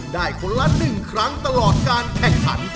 คนละ๑ครั้งตลอดการแข่งขัน